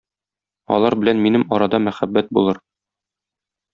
Алар белән минем арада мәхәббәт булыр.